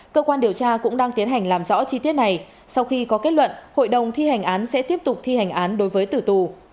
cơ quan điều tra cũng đang tiến hành làm rõ chi tiết này sau khi có kết luận hội đồng thi hành án sẽ tiếp tục thi hành án đối với tử tù